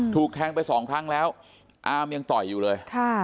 ถูกแทงไปสองครั้งแล้วอามยังต่อยอยู่เลย